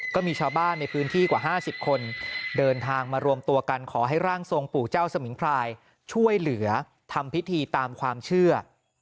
ก็มีชาวบ้านในพื้นที่กว่า๕๐คนเดินทางมารวมตัวกันขอให้ร่างทรงปู่เจ้าสมิงพรายช่วยเหลือทำพิธีตามความเชื่อ